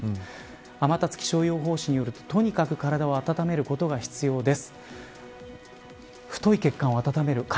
天達気象予報士によるととにかく体を温めることが必要です。